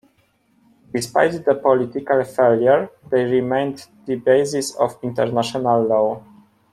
Despite the political failure, they remained the basis of international law.